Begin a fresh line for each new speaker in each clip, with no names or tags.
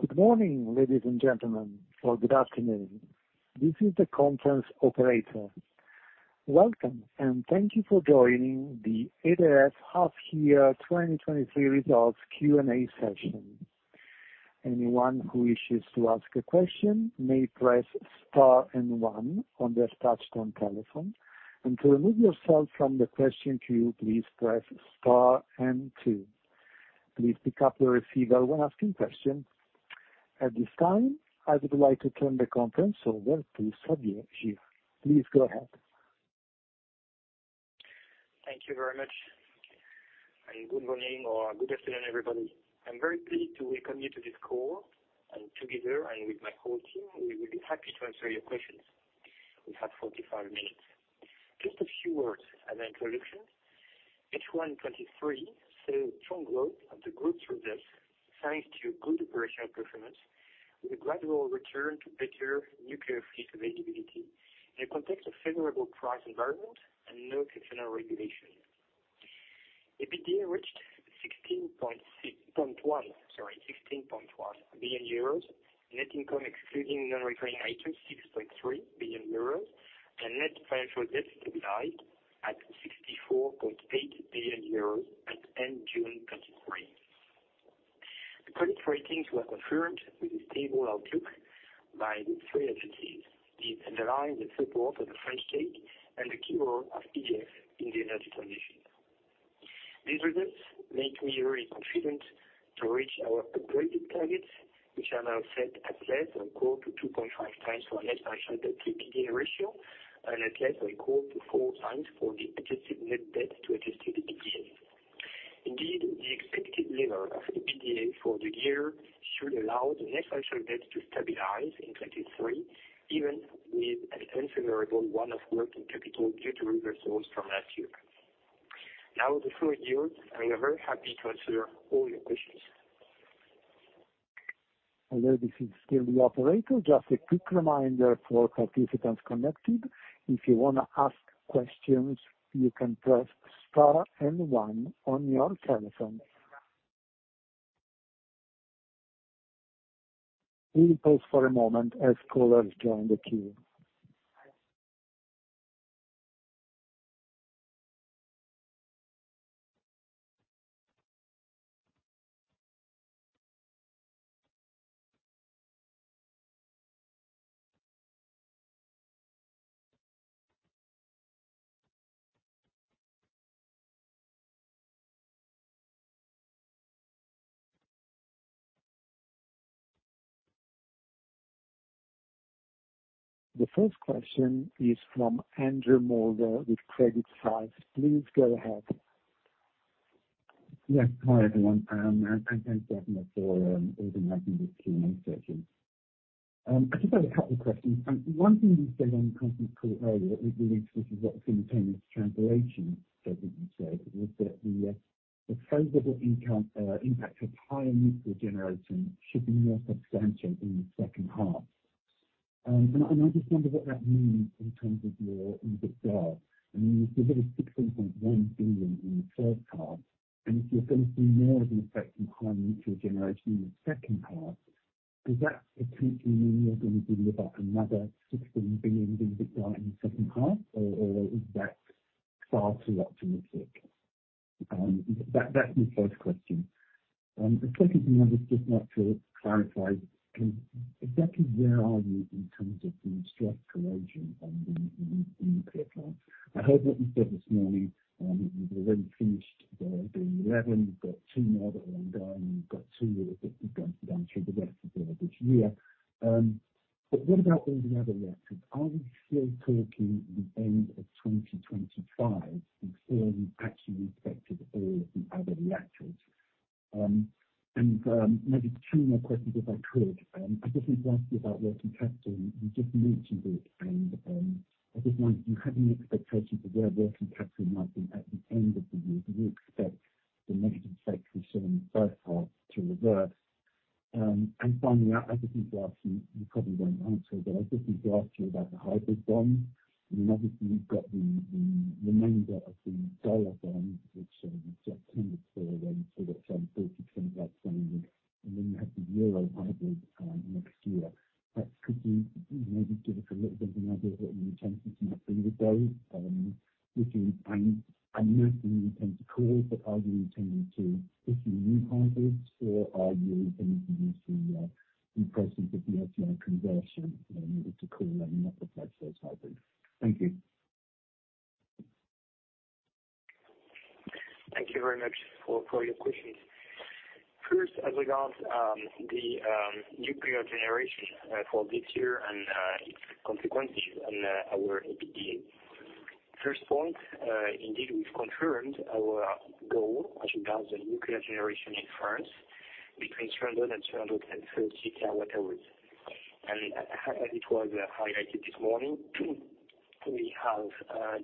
Good morning, ladies and gentlemen, or good afternoon. This is the conference operator. Welcome. Thank you for joining the EDF half year 2023 results Q&A session. Anyone who wishes to ask a question may press star 1 on their touch-tone telephone. To remove yourself from the question queue, please press star 2. Please pick up your receiver when asking questions. At this time, I would like to turn the conference over to Xavier Girre. Please go ahead.
Thank you very much. Good morning or good afternoon, everybody. I'm very pleased to welcome you to this call, together with my whole team, we will be happy to answer your questions. We have 45 minutes. Just a few words as an introduction. H1 2023 saw strong growth of the group's results, thanks to good operational performance, with a gradual return to better nuclear fleet availability in a context of favorable price environment and no exceptional regulation. EBITDA reached 16.1 billion euros. Net income excluding non-recurring items, 6.3 billion euros, net financial debt stabilized at 64.8 billion euros at end June 2023. The credit ratings were confirmed with a stable outlook by the three agencies. It underlines the support for the French state and the key role of EDF in the energy transition. These results make me very confident to reach our upgraded targets, which are now set at less or equal to 2.5 times for less than the TPD ratio, and at less or equal to 4 times for the adjusted net debt to adjusted EBITDA. Indeed, the expected level of EBITDA for the year should allow the net financial debt to stabilize in 2023, even with an unfavorable one-off working capital due to reversals from last year. The floor is yours, and we are very happy to answer all your questions.
Hello, this is still the operator. Just a quick reminder for participants connected. If you want to ask questions, you can press star and one on your telephone. We pause for a moment as callers join the queue. The first question is from Andrew Mulder with Credit Suisse. Please go ahead.
Yes, hi, everyone, and thanks, Xavier, for organizing this Q&A session. I just had a couple of questions. One thing you said on the conference call earlier with relates to what simultaneous translation that you said, was that the favorable income impact of higher nuclear generation should be more substantial in the second half. I just wonder what that means in terms of your EBITDA. I mean, you deliver 16.1 billion in the first half, and if you're going to see more of an effect from higher nuclear generation in the second half, does that potentially mean you're going to deliver another EUR 16 billion in EBITDA in the second half, or is that far too optimistic? That's my first question. The second thing I would just like to clarify, exactly where are you in terms of the stress corrosion on the nuclear plant? I heard what you said this morning, you've already finished the 11, you've got 2 more that are ongoing, you've got 2 that will get done through the rest of this year. What about all the other reactors? Are we still talking the end of 2025 before you actually expected all of the other reactors? Maybe 2 more questions, if I could. I just want to ask you about working capital. You just mentioned it, and I just wonder, do you have any expectations of where working capital might be at the end of the year? Do you expect the negative effect we saw in the first half to reverse? Finally, I just need to ask you probably won't answer, but I just need to ask you about the hybrid bond. I mean, obviously, you've got the remainder of the dollar bond, which you've got tender for them for that 30% outstanding, and then you have the euro hybrid next year. Could you maybe give us a little bit of an idea what your intentions are for those, which is, and I know you intend to call, but are you intending to issue new hybrids, or are you going to use the proceeds of the OCEANE conversion in order to call them up as that first hybrid? Thank you.
Thank you very much for your questions. First, as regards the nuclear generation for this year and its consequences on our EBITDA. First point, indeed, we've confirmed our goal as regards the nuclear generation in France between 200 and 230 terawatt hours. As it was highlighted this morning, we have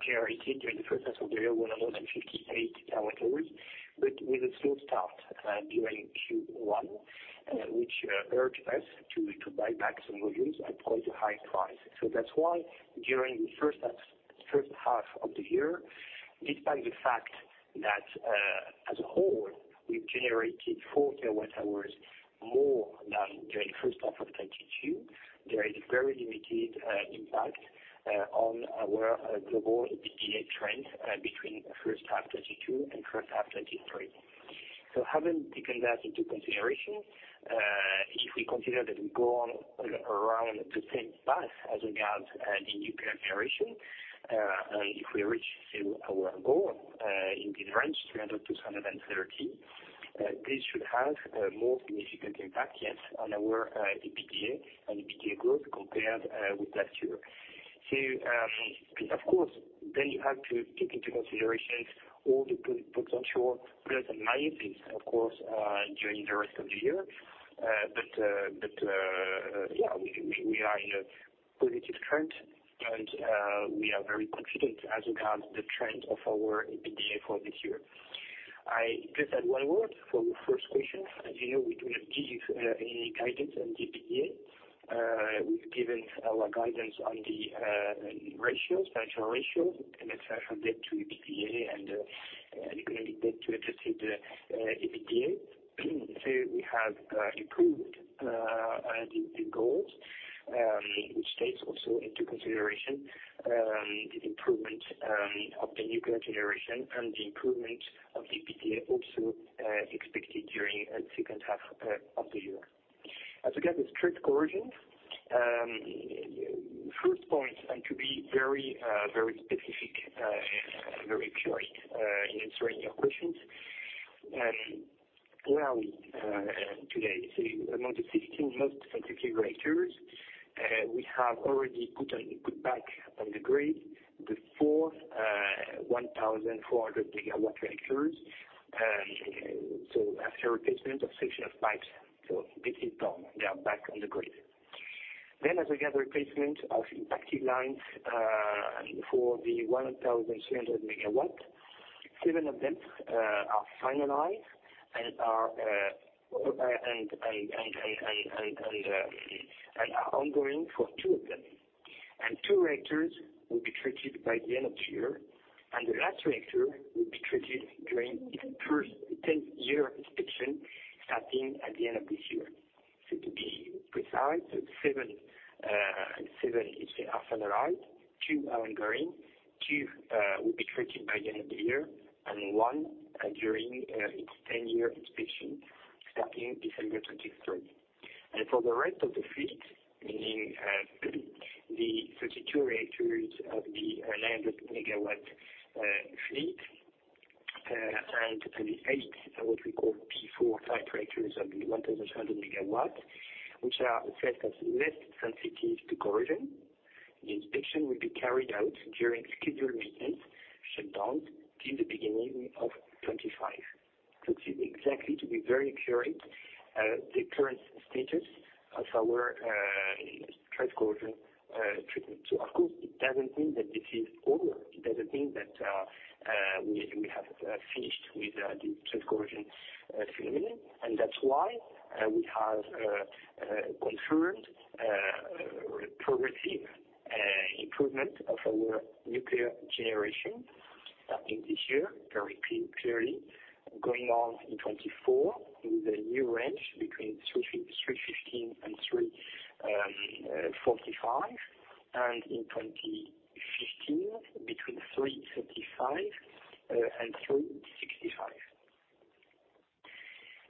generated during the first half of the year, 158 terawatt hours, but with a slow start during Q1, which urged us to buy back some volumes at quite a high price. That's why during the first half of the year, despite the fact that, as a whole, we've generated 4 terawatt hours more than during first half of 2022, there is very limited impact on our global EBITDA trend between first half 2022 and first half 2023. Having taken that into consideration, if we consider that we go on around the same path as regards the nuclear generation and if we reach to our goal in this range, 300 to 230, this should have a more significant impact, yes, on our EBITDA and EBITDA growth compared with last year. Of course, then you have to take into consideration all the potential plus and minus, of course, during the rest of the year. Yeah, we are in a positive trend, and we are very confident as regard the trend of our EBITDA for this year. I just add one word for the first question. As you know, we do not give any guidance on EBITDA. We've given our guidance on the ratios, financial ratios, and debt to EBITDA, and economic debt to adjusted EBITDA. We have improved the goals, which takes also into consideration the improvement of the nuclear generation and the improvement of EBITDA also expected during second half of the year. As we get the stress corrosion, first point, and to be very, very specific, very purely in answering your questions, where are we today? Among the 16 most sensitive reactors, we have already put back on the grid the 4, 1,400 megawatt reactors. So after replacement of section of pipes, this is done. They are back on the grid. Then as we have replacement of impacted lines, for the 1,300 megawatt, 7 of them are finalized and are ongoing for 2 of them. And 2 reactors will be treated by the end of the year, and the last reactor will be treated during its first ten-year inspection, starting at the end of this year. To be precise, 7 are finalized, 2 are ongoing, 2 will be treated by the end of the year, and 1 during its ten-year inspection starting December 2023. For the rest of the fleet, meaning, the 32 reactors of the 900 megawatt fleet, and the eight, what we call P4 type reactors of the 1,300 megawatts, which are said as less sensitive to stress corrosion. The inspection will be carried out during scheduled maintenance shutdown in the beginning of 2025. That's exactly, to be very accurate, the current status of our stress corrosion treatment. Of course, it doesn't mean that this is over. It doesn't mean that we have finished with the stress corrosion phenomenon. That's why we have confirmed progressive improvement of our nuclear generation, starting this year, clearly, going on in 2024, with a new range between 315 and 345, and in 2015, between 335 and 365.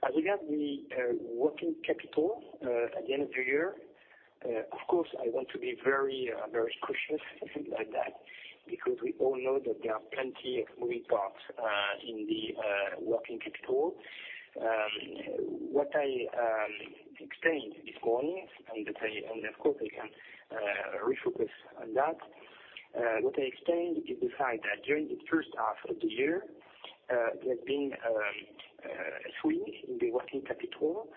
As we got the working capital at the end of the year, of course, I want to be very, very cautious about that, because we all know that there are plenty of moving parts in the working capital. What I explained this morning, and I tell you, and of course, I can refocus on that. What I explained is the fact that during the first half of the year, there has been swing in the working capital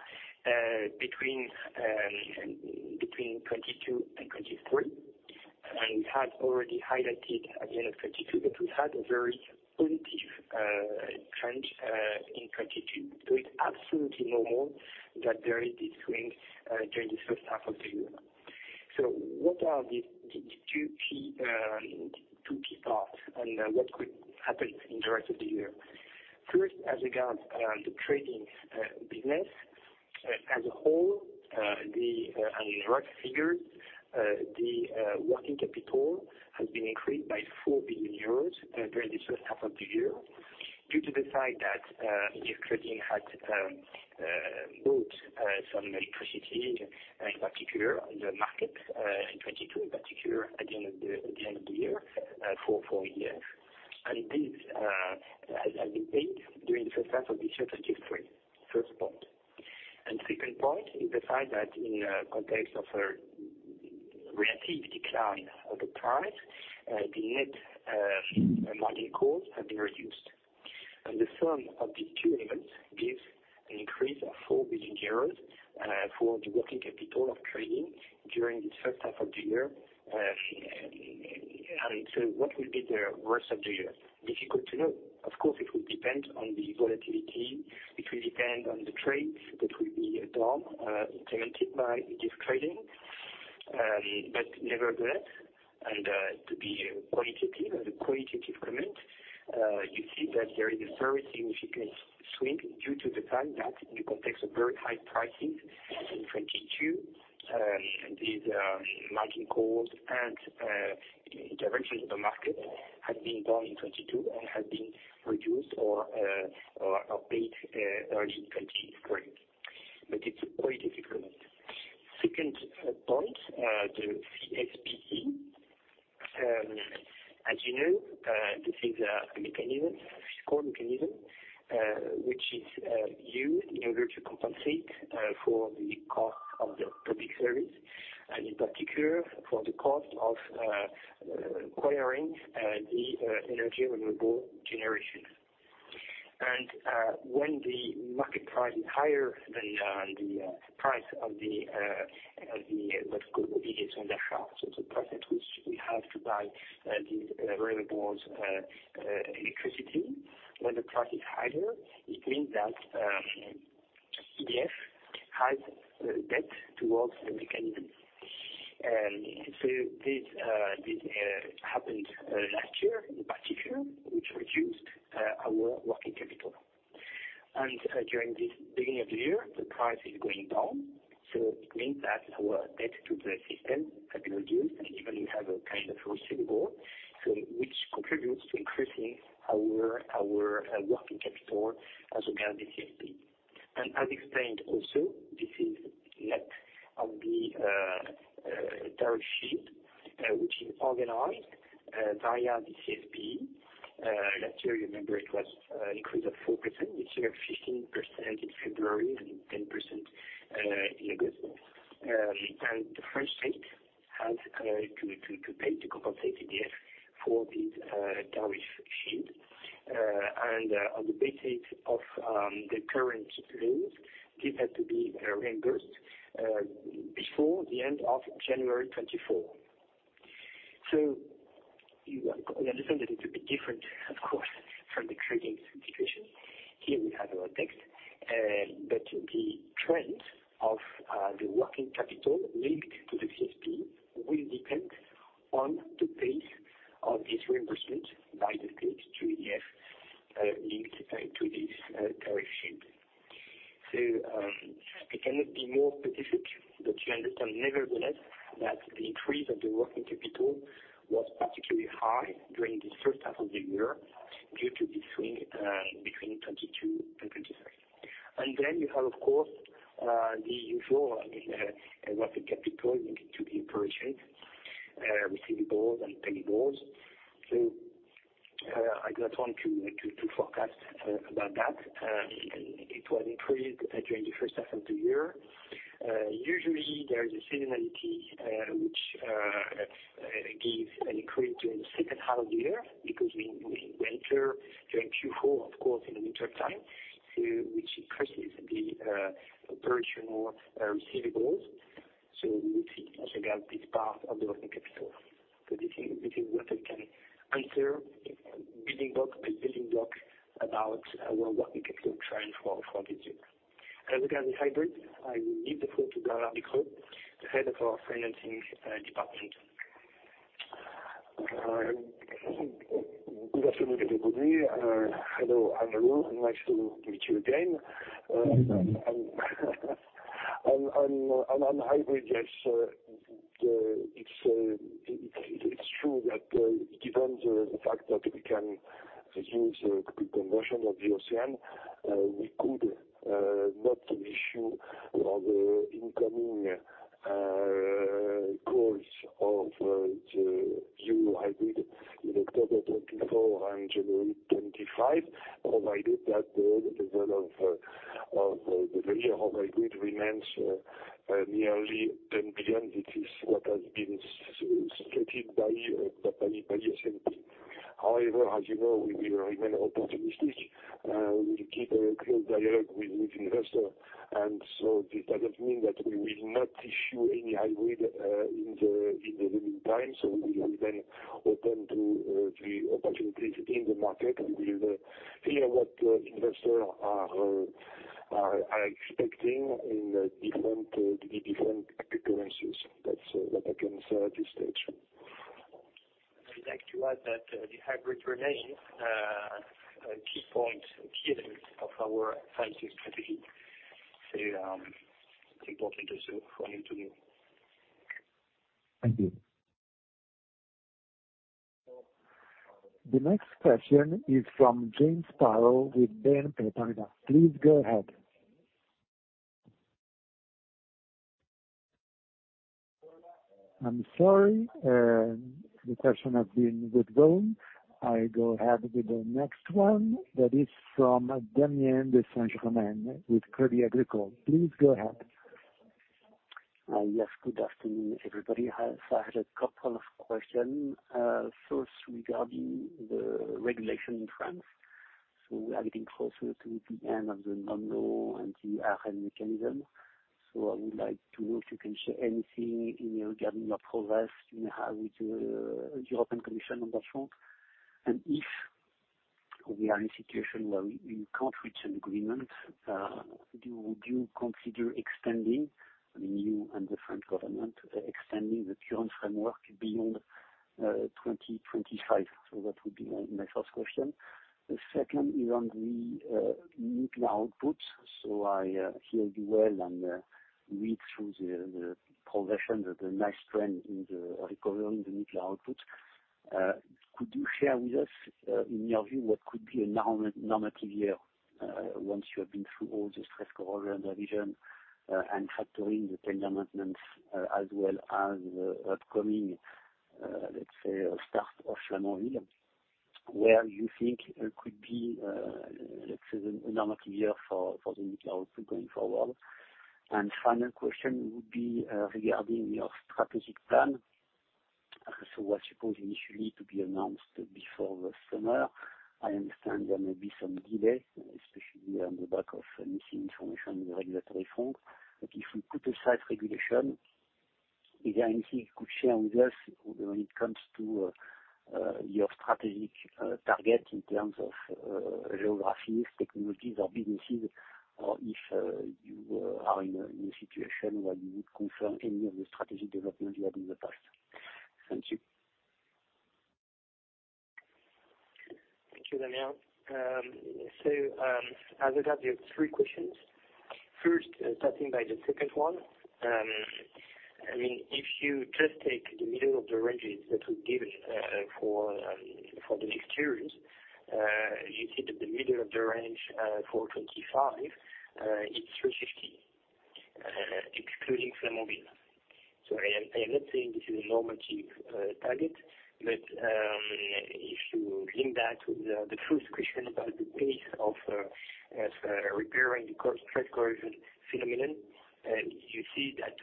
between 22 and 23. We had already highlighted at the end of 2022, that we had a very positive trend in 2022. It's absolutely normal that there is this swing during the first half of the year. What are the two key parts on what could happen in the rest of the year? First, as regards the trading business as a whole, on rough figures, the working capital has been increased by 4 billion euros during the first half of the year, due to the fact that if trading had bought some electricity, in particular, in the market in 2022, in particular, at the end of the year, for a year. This has been paid during the first half of this year, 2023. First point. Second point is the fact that in the context of a relative decline of the price, the net modelling cost have been reduced. The sum of these two elements gives an increase of 4 billion euros for the working capital of trading during the first half of the year. What will be the rest of the year? Difficult to know. Of course, it will depend on the volatility, it will depend on the trades that will be done, implemented by this trading. Nevertheless, and to be qualitative, as a qualitative comment, you see that there is a very significant swing due to the fact that in the context of very high pricing in 2022, these margin calls and interventions in the market has been done in 2022 and has been reduced or paid early in 2023. It's a quality difficult. Second, point, the CSPE, as you know, this is a mechanism, core mechanism, which is used in order to compensate for the cost of the public service, and in particular, for the cost of acquiring the energy renewable generation. When the market price is higher than the price of the, what could be on the half, so the price at which we have to buy these renewables electricity. When the price is higher, it means that EDF has a debt towards the mechanism. This happened last year in particular, which reduced our working capital. During this beginning of the year, the price is going down, so it means that our debt to the system has been reduced, and even we have a kind of receivable, so which contributes to increasing our working capital as regards the CSP. As explained also, this is left on the tariff sheet, which is organized via the CSP. Last year, you remember, it was increase of 4%, this year, 15% in February and 10% in August. The first rate has to pay, to compensate EDF for this tariff shield. On the basis of the current laws, this has to be reimbursed before the end of January 2024. You understand that it will be different, of course, from the trading situation. Here we have our text, but the trend of the working capital linked to the CSP will depend on the pace of this reimbursement by the state to EDF, linked to this tariff shield. I cannot be more specific, but you understand, nevertheless, that the increase of the working capital was particularly high during this first half of the year, due to the swing, between 2022 and 2023. You have, of course, the usual, working capital linked to the operation, receivables and payables. I don't want to forecast about that. It was increased during the first half of the year. Usually, there is a seasonality, which give an increase during the second half of the year, because we enter during Q4, of course, in the wintertime, so which increases the operational, receivables. We see also got this part of the working capital.
This is what I can answer building block to building block about our working capital trend for this year. As regards the hybrid, I will give the phone to Bernard Bricout, the Head of our financing department.
Good afternoon, everybody. hello, Andrew. Nice to meet you again.
Mm-hmm.
On hybrid, yes, it's true that given the fact that we can use complete conversion of the OCEANE, we could not issue on the incoming calls of the new hybrid in October 2024 and January 2025, provided that the level of the value of hybrid remains nearly EUR 10 billion, which is what has been stated by S&P. As you know, we will remain opportunistic, we will keep a close dialogue with investor. This doesn't mean that we will not issue any hybrid in the meantime. We will remain open to the opportunities in the market. We will hear what the investors are expecting in the different currencies. That's, what I can say at this stage.
I'd like to add that, the hybrid remains a key point of our financing strategy. Important also for you to know.
Thank you. The next question is from James Sparrow with BNP Paribas. Please go ahead. I'm sorry, the question has been withdrawn. I go ahead with the next one, that is from Damien de Saint-Germain with Crédit Agricole. Please go ahead.
Yes, good afternoon, everybody. I have a couple of questions. First, regarding the regulation in France. We are getting closer to the end of the NOME and the ARENH mechanism. I would like to know if you can share anything in regarding your progress, you know, how with your European Commission on that front. If we are in a situation where we can't reach an agreement, do you consider extending, I mean, you and the French state, extending the current framework beyond 2025? That would be my first question. The second is on the nuclear output. I hear you well and read through the progression, that the nice trend in the recovery in the nuclear output. could you share with us, in your view, what could be a normative year, once you have been through all the stress corrosion division, and factoring the ten-year inspection, as well as the upcoming, let's say, start of Flamanville, where you think it could be, let's say, a normative year for the nuclear output going forward? Final question would be, regarding your strategic plan. What you suppose initially to be announced before the summer, I understand there may be some delays, especially on the back of missing information on the regulatory front. If we put aside regulation, is there anything you could share with us when it comes to your strategic target in terms of geographies, technologies, or businesses, or if you are in a situation where you would confirm any of the strategic development you had in the past? Thank you.
Thank you, Daniel. As I got your three questions, first, starting by the second one, I mean, if you just take the middle of the ranges that we give for the next years, you see that the middle of the range for 25, it's 350, excluding Flamanville. I am not saying this is a normative target, but if you link that with the first question about the pace of repairing the stress corrosion phenomenon, you see that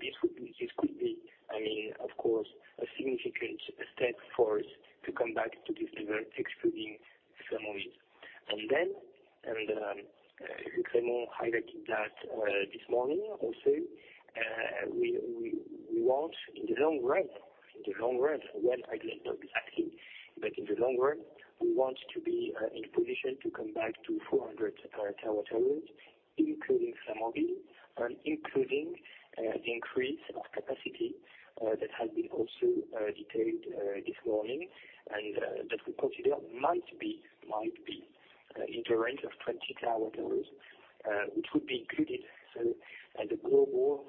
this would be, this could be, I mean, of course, a significant step for us to come back to this level, excluding Flamanville. Clement highlighted that this morning also, we want in the long run, well, I will talk exactly, but in the long run, we want to be in a position to come back to 400 terawatt hours, including Flamanville, and including the increase of capacity that has been also detailed this morning. That we consider might be in the range of 20 terawatt hours, which would be included. At the global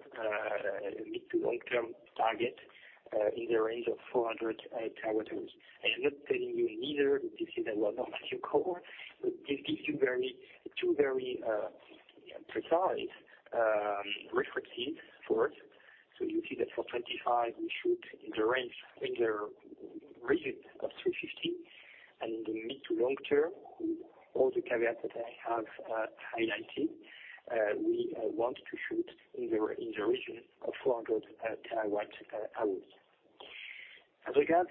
mid to long-term target, in the range of 400 terawatt hours. I am not telling you neither that this is a normative goal, but this gives you very, two very precise references for it. You see that for 25, we should, in the range, in the region of 350, and in the mid to long term, all the caveats that I have highlighted, we want to shoot in the, in the region of 400 terawatt hours. As we got,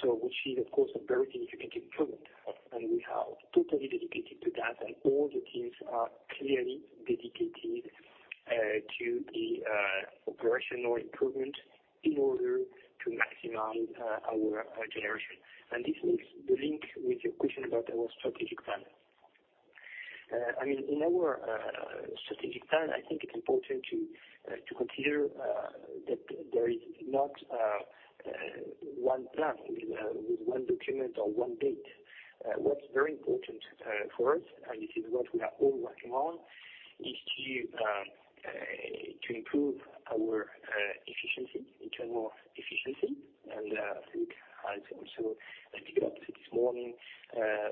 so which is, of course, a very significant improvement, and we are totally dedicated to that, and all the teams are clearly dedicated to the operational improvement in order to maximize our generation. This makes the link with your question about our strategic plan. I mean, in our strategic plan, I think it's important to consider that there is not one plan with one document or one date. What's very important for us, and this is what we are all working on, is to improve our efficiency, internal efficiency. I think I also, I pick it up this morning,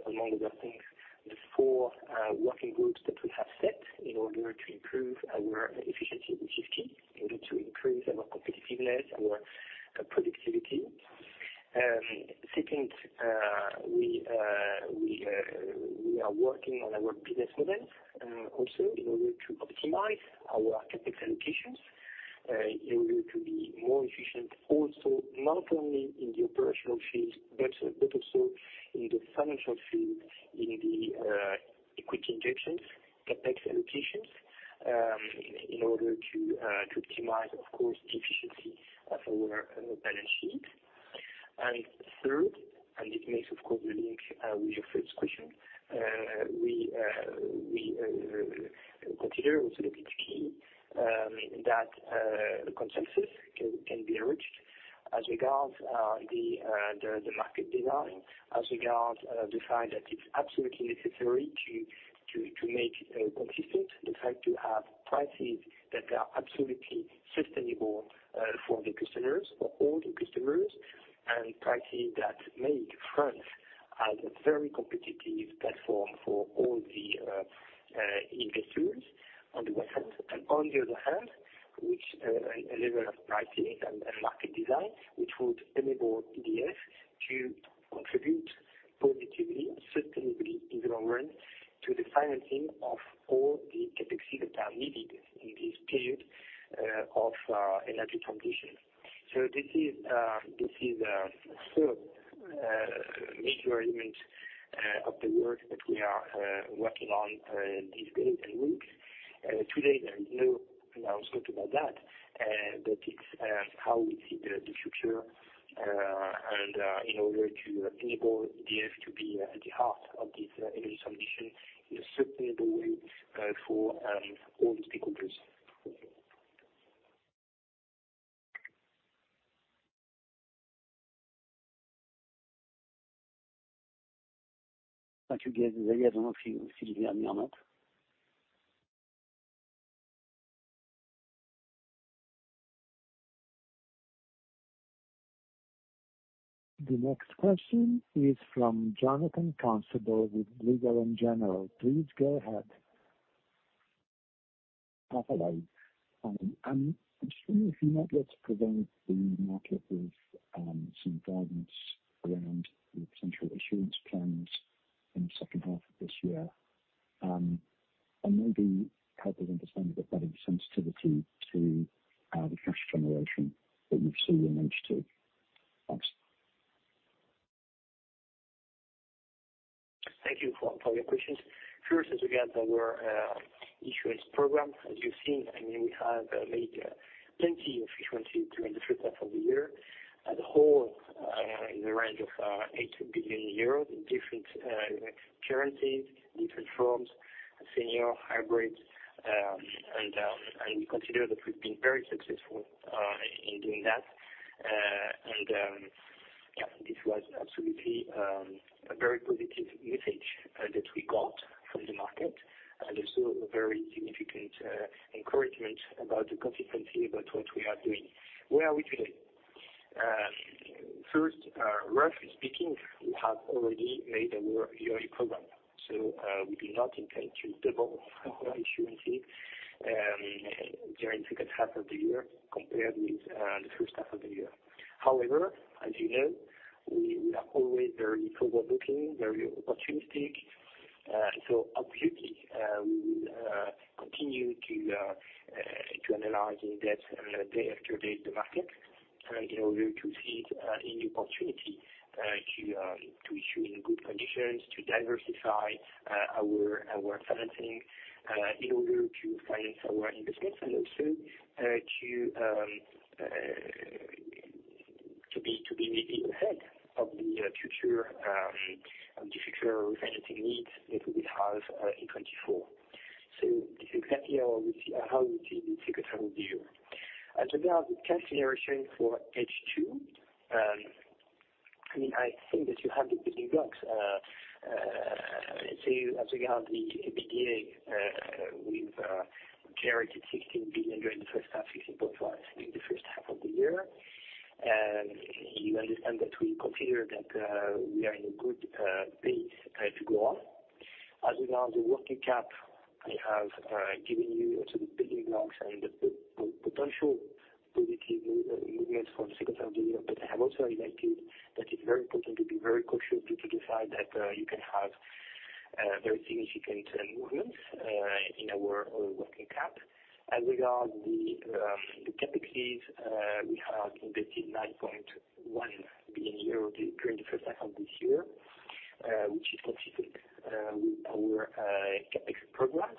among other things, the four working groups that we have set in order to improve our efficiency and safety, in order to increase our competitiveness, our productivity. Second, we are working on our business model, also in order to optimize our capital allocations, in order to be more efficient, also not only in the operational field, but also in the financial field, in the equity injections, the capital allocations, in order to optimize, of course, the efficiency of our balance sheet. Third, and this makes of course the link, with your first question, we consider also that a consensus can be reached as regards the market design, as regards the fact that it's absolutely necessary to make consistent, the fact to have prices that are absolutely sustainable, for the customers, for all the customers, and prices that make France as a very competitive platform for all the investors, on the one hand. On the other hand, which a level of pricing and market design, which would enable EDF to contribute government to the financing of all the CapEx that are needed in this period, of energy transition. This is third major element of the work that we are working on these days and weeks. Today, there is no announcement about that, it's how we see the future, and in order to enable EDF to be at the heart of this energy transition in a sustainable way for all the stakeholders. Thank you, Gilles. I don't know if you, if you want to add on that.
The next question is from Jonathan Crossett with GLG General. Please go ahead.
Hello. I'm just wondering if you might be able to provide the market with some guidance around the potential issuance plans in the second half of this year, and maybe help us understand a bit better the sensitivity to the cash generation that you've seen in H2. Thanks.
Thank you for your questions. First, as we get our issuance program, as you've seen, I mean, we have made plenty of efficiency during the first half of the year, at the whole, in the range of 8 billion euros in different currencies, different forms, senior, hybrid, and we consider that we've been very successful in doing that. Yeah, this was absolutely a very positive message that we got from the market, and also a very significant encouragement about the consistency about what we are doing. Where are we today? First, roughly speaking, we have already made our yearly program, so we do not intend to double our issuance here during the second half of the year compared with the first half of the year. However, as you know, we are always very forward-looking, very opportunistic. Obviously, we continue to analyzing that day after day, the market, in order to seize any opportunity to issue in good conditions, to diversify our financing, in order to finance our investments, and also to be ahead of the future of the future financing needs that we have in 2024. Exactly how we see the second half of the year. As regard the cash generation for H2, I mean, 我 看, I think that you have the building blocks. As we have the beginning with generated 16 billion during the first half, 16.5 in the first half of the year, and you understand that we consider that we are in a good place to go on. As regard the working cap, I have given you also the building blocks and the potential positive movement for the second half of the year. I have also highlighted that it's very important to be very cautious, due to the fact that you can have very significant movements in our working cap. As regard the CapEx, we have invested 9.1 billion euros during the first half of this year, which is consistent with our CapEx program,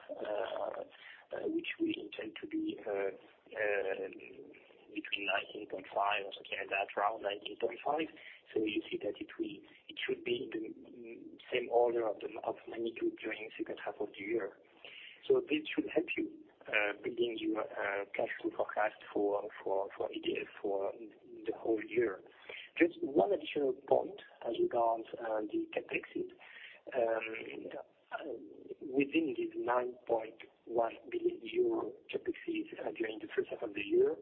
which we intend to be between 19.5 billion, okay, that round 19.5 billion. We see that it should be the same order of magnitude during the second half of the year. This should help you building your cash flow forecast for EDF for the whole year. Just one additional point as regards the CapEx. Within this EUR 9.1 billion CapEx, during the first half of the year,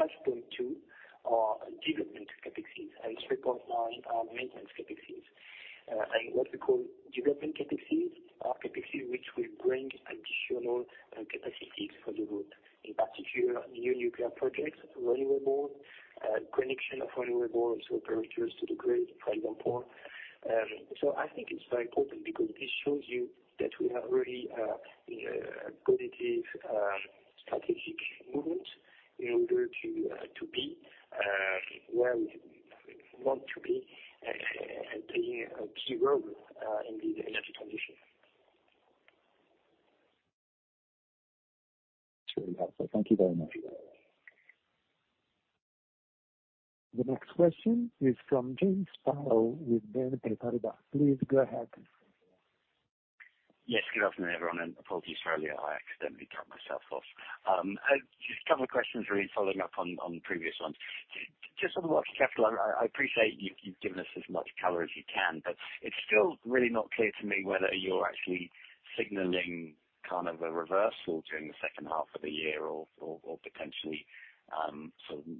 EUR 5.2 billion are development CapEx, and EUR 3.9 billion are maintenance CapEx. What we call development CapEx are CapEx, which will bring additional capacities for the group. In particular, new nuclear projects, renewable, connection of renewable, so projectors to the grid, for example. I think it's very important because this shows you that we have really a positive strategic movement in order to be where we want to be and play a key role in the energy transition.
Thank you very much.
The next question is from James Farrell with Bank of Baroda. Please go ahead.
Yes, good afternoon, everyone, and apologies earlier, I accidentally turned myself off. Just a couple of questions really following up on the previous ones. Just on the working capital, I appreciate you've given us as much color as you can, but it's still really not clear to me whether you're actually signaling kind of a reversal during the second half of the year or potentially sort of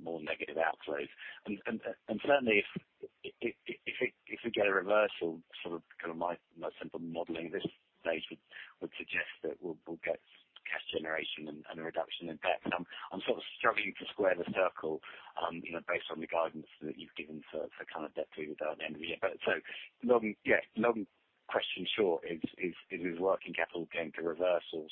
more negative outflows. And certainly if it, if we get a reversal, sort of, my simple modeling this stage would suggest that we'll get cash generation and a reduction in debt. And I'm sort of struggling to square the circle, you know, based on the guidance that you've given for kind of debt to the end of the year. So long, yeah, long question short, is working capital going to reverse or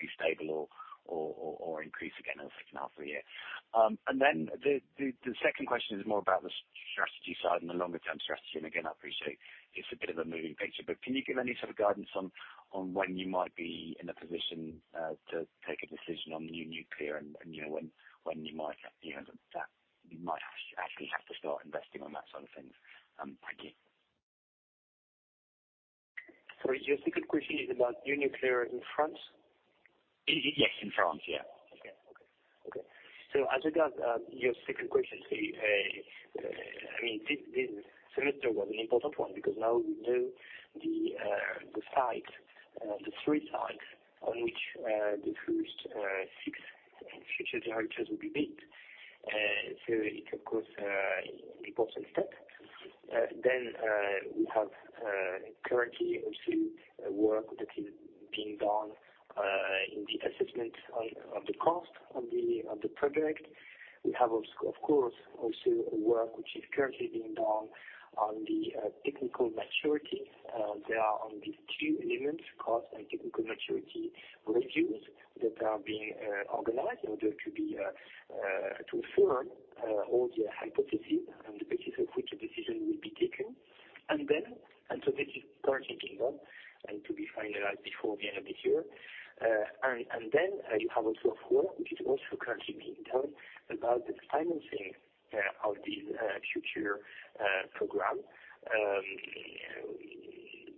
be stable or increase again in the second half of the year? Then the second question is more about the strategy side and the longer term strategy. Again, I appreciate it's a bit of a moving picture. Can you give any sort of guidance on when you might be in a position to take a decision on new nuclear and, you know, when you might, you know, that you might actually have to start investing on that side of things? Thank you.
Sorry, your second question is about new nuclear in France?
Yes, in France. Yeah.
Okay. Okay. As regards your second question, I mean this semester was an important one because now we know the site, the three sites on which the first six future reactors will be built. It of course, important step. We have currently also work that is being done in the assessment on of the cost on the on the project. We have also, of course, also work which is currently being done on the technical maturity. They are on these two elements, cost and technical maturity reviews, that are being organized in order to be to affirm all the hypotheses on the basis of which a decision will be taken. This is currently being done and to be finalized before the end of this year. You have also a work, which is also currently being done about the financing of the future EPR2 program.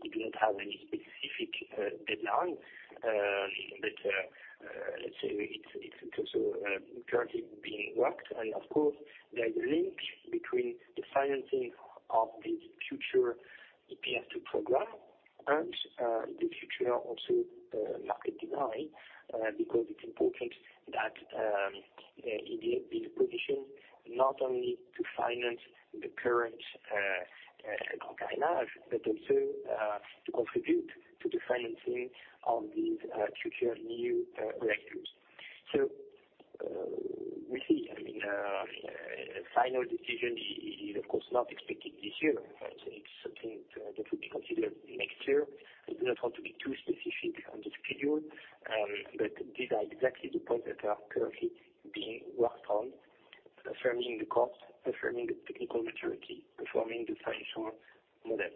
We do not have any specific deadline, but let's say it's also currently being worked. Of course, there is a link between the financing of the future EPR2 program and the future also market design, because it's important that EDF be in a position not only to finance the current Grand Carénage, but also to contribute to the financing of these future new reactors. We see, I mean, a final decision is of course, not expected this year. It's something that will be considered next year. I do not want to be too specific on this period, but these are exactly the points that are currently being worked on, affirming the cost, affirming the technical maturity, performing the financial model.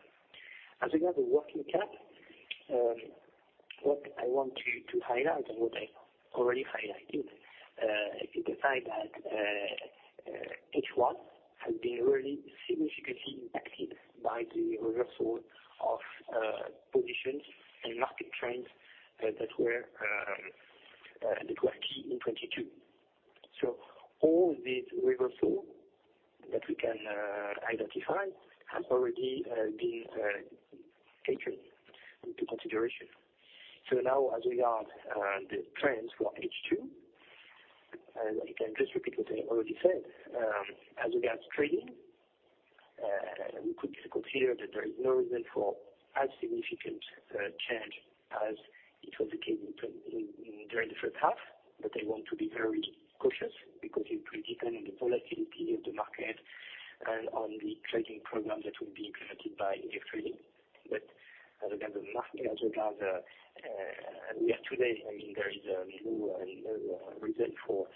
As we have a working cap, what I want to highlight, and what I already highlighted, is the fact that H1 has been really significantly impacted by the reversal of positions and market trends that were key in 2022. All these reversal that we can identify have already been taken into consideration. Now as we look at the trends for H2, and I can just repeat what I already said, as regards trading, we could consider that there is no reason for as significant change as it was the case in the very first half. I want to be very cautious because it will depend on the volatility of the market and on the trading program that will be implemented by EDF Trading. As regard the market, as regard the we have today, I mean, there is no reason for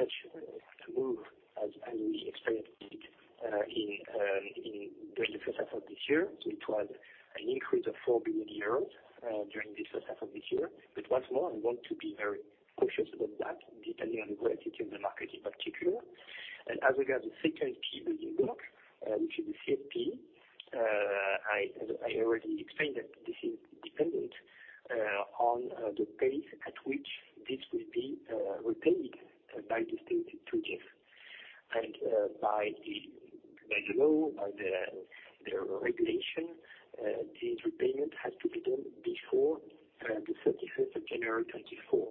such a move as we experienced in the first half of this year. It was an increase of 4 billion euros during this first half of this year. Once more, I want to be very cautious about that, depending on the volatility of the market in particular. As we got the second key building block, which is the CFP, I already explained that this is dependent on the pace at which this will be repaid by the state to EDF. By the law, by the regulation, the repayment has to be done before the 31st of January, 2024.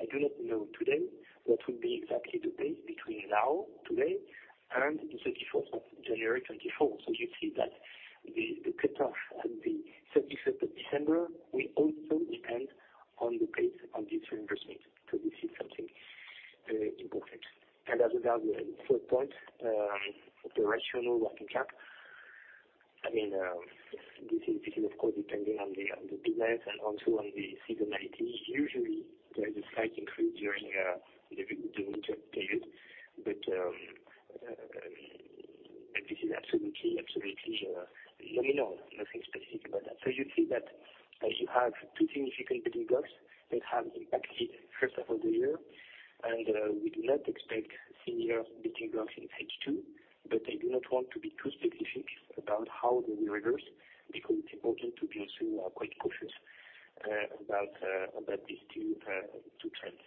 I do not know today what will be exactly the date between now, today, and the 31st of January, 2024. You see that the cutoff on the 31st of December will also depend on the pace on this reimbursement. This is something important. As regard the third point, operational working cap, I mean, this is of course, depending on the business and also on the seasonality. Usually there is a slight increase during the winter period. This is absolutely nominal. Nothing specific about that. You see that you have two significant building blocks that have impacted first half of the year, and we do not expect similar building blocks in H2, but I do not want to be too specific about how they will reverse, because it's important to be also quite cautious about these two trends.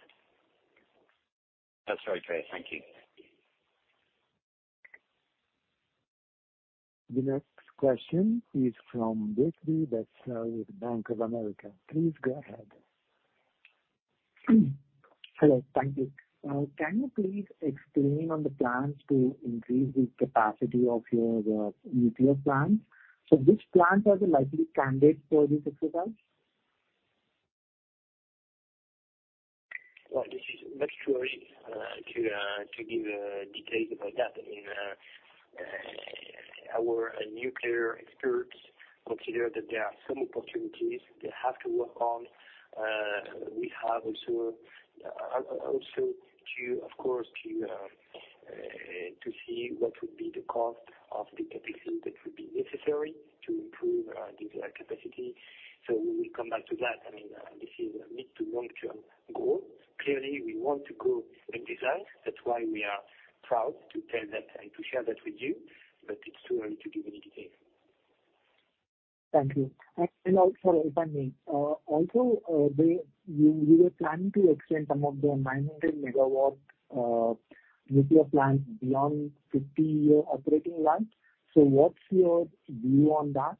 That's very clear. Thank you.
The next question is from Berkeley, that's with Bank of America. Please go ahead.
Hello. Thank you. Can you please explain on the plans to increase the capacity of your nuclear plant? Which plants are the likely candidates for this exercise?
Well, this is much too early to give details about that. I mean, our nuclear experts consider that there are some opportunities they have to work on. We have also to, of course, to see what would be the cost of the capacity that would be necessary to improve the capacity. We will come back to that. I mean, this is a mid to long-term goal. Clearly, we want to go and decide. That's why we are proud to tell that and to share that with you, but it's too early to give any detail.
Thank you. Also, if I may, also, you were planning to extend some of the 900 megawatt, nuclear plants beyond 50-year operating life. What's your view on that?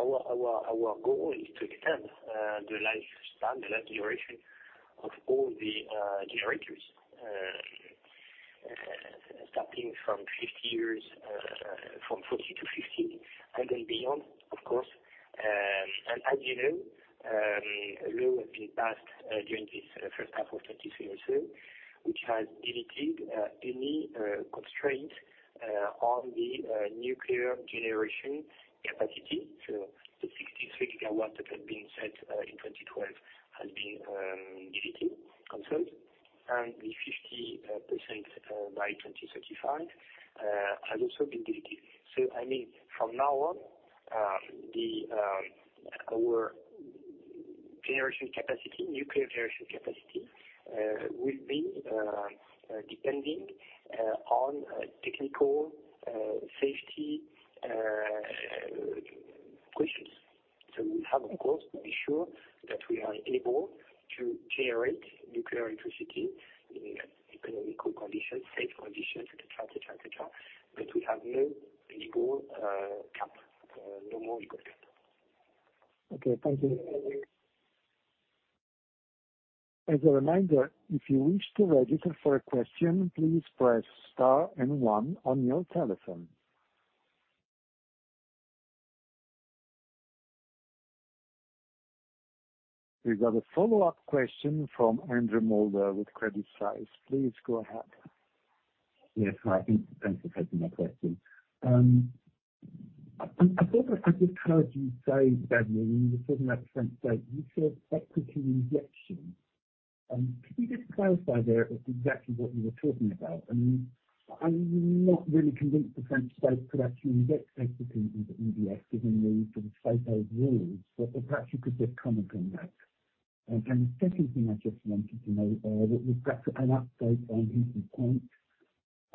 Our goal is to extend the lifespan, the life duration of all the generators. Starting from 50 years, from 40 to 50, and then beyond, of course. As you know, a law has been passed during this first half of 2022, which has deleted any constraint on the nuclear generation capacity. The 63 gigawatt that had been set in 2012 has been deleted, canceled, and the 50% by 2035 has also been deleted. I mean, from now on, the our generation capacity, nuclear generation capacity, will be depending on technical safety questions. We have, of course, to be sure that we are able to generate nuclear electricity in economical conditions, safe conditions, et cetera, et cetera, et cetera. We have no legal, cap, no more legal cap.
Okay, thank you.
As a reminder, if you wish to register for a question, please press star and 1 on your telephone. We've got a follow-up question from Andrew Mulder with Credit Suisse. Please go ahead.
Yes, hi. Thanks for taking my question. I thought I just heard you say, Benjamin, when you were talking about the French state, you said equity injection. Could you just clarify there exactly what you were talking about? I mean, I'm not really convinced the French state could actually inject equity into EDF, given the sort of state-owned rules, but perhaps you could just comment on that. The second thing I just wanted to know, was perhaps an update on Hinkley Point.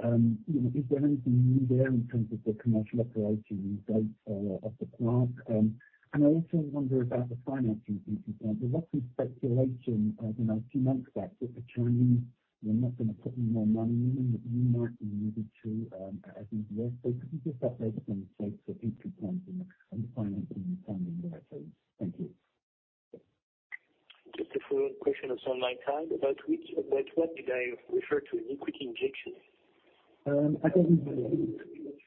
You know, is there anything new there in terms of the commercial operating date of the plant? And I also wonder about the financing Hinkley Point. There was some speculation, you know, a few months back, that the Chinese were not going to put any more money in and that you might be needed to as EDF. Could you just update us on the state of Hinkley Point and the financing timing there? Thank you.
Just a follow-up question on my side. About what did I refer to in equity injection?
I think it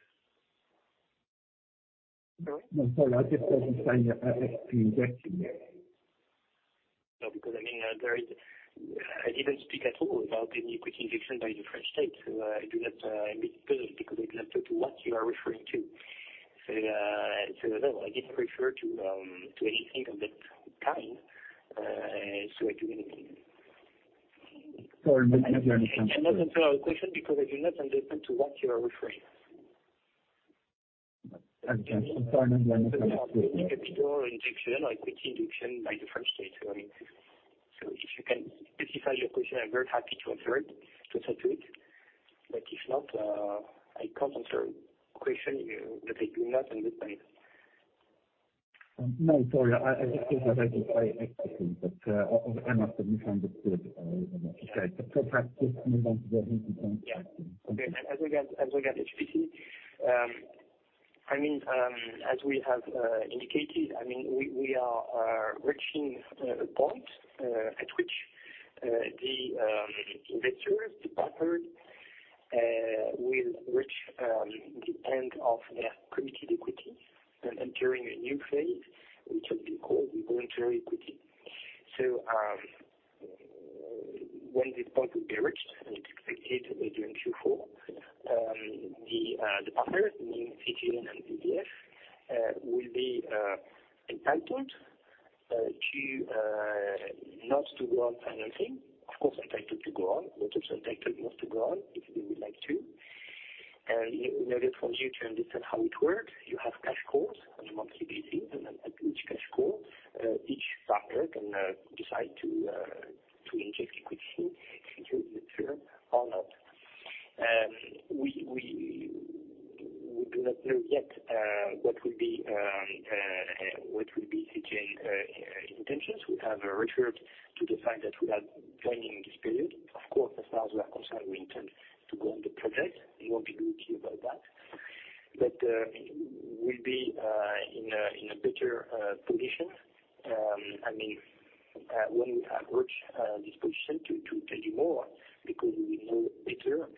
was...
Sorry?
No, sorry. I just didn't understand your equity injection.
No, because, I mean, I didn't speak at all about any equity injection by the French state. I do not, because exactly to what you are referring to. No, I didn't refer to anything of that kind, so I do not understand.
Sorry, I didn't understand.
I cannot answer our question because I do not understand to what you are referring.
Okay. Sorry, I didn't understand.
Capital injection or equity injection by the French state. I mean, if you can specify your question, I'm very happy to answer to it. If not, I can't answer a question that I do not understand.
No, sorry. I think I heard you very clearly. I must have misunderstood. Perhaps just move on to the Hinkley Point.
Yeah. Okay. As regard HPC, I mean, as we have indicated, I mean, we are reaching a point at which the investors, the partner will reach the end of their committed equity and entering a new phase, which will be called the voluntary equity. When this point will be reached, and it's expected during Q4, the partner, meaning CGN and EDF, will be entitled to not to go on financing. Of course, entitled to go on, but also entitled not to go on, if they would like to. In order for you to understand how it works, you have cash calls on a monthly basis, and then at each cash call, each partner can decide to inject equity if they want to or not. We do not know yet what will be the CGN intentions. We have a right to decide that we are joining this period. Of course, as far as we are concerned, we intend to go on the project. We won't be guilty about that. We'll be in a better position, I mean, when we have reached this position to tell you more, because we will know better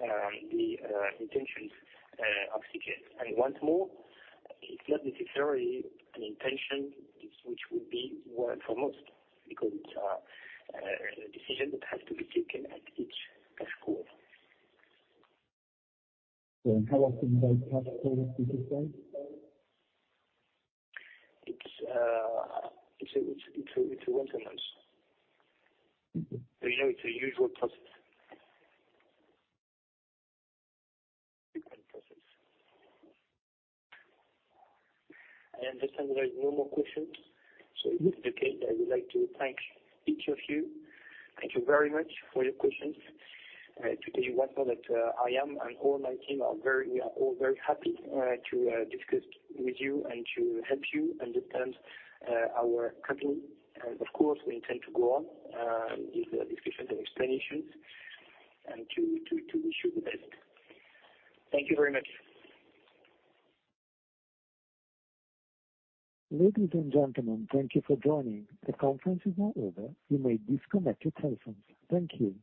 the intentions of CGN. Once more, it's not necessarily an intention which would be one for most, because it's a decision that has to be taken at each cash call.
How often does cash call, would you say?
It's a once a month.
Mm-hmm.
You know, it's a usual process. Different process. I understand there is no more questions. If this is the case, I would like to thank each of you. Thank you very much for your questions. To tell you one more that, we are all very happy to discuss with you and to help you understand our company. Of course, we intend to go on with the discussions and explanations and to wish you the best. Thank you very much.
Ladies and gentlemen, thank you for joining. The conference is now over. You may disconnect your telephones. Thank you.